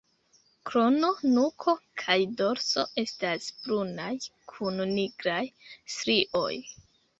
Krono, nuko kaj dorso estas brunaj kun nigraj strioj.